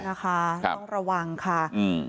นะคะต้องระวังค่ะอืม